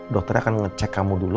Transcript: dokternya akan ngecek kamu dulu